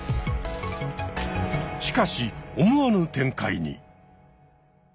しかし思わぬ展開に！